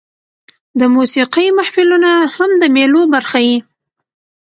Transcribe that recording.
د موسیقۍ محفلونه هم د مېلو برخه يي.